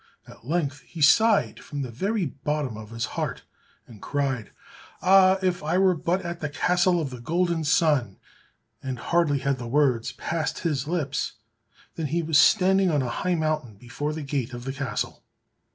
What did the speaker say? At length he sighed from the very bottom of his heart, and cried, "Ah, if I were but at the Castle of the Golden Sun," and hardly had the words passed his lips than he was standing on a high mountain before the gate of the castle.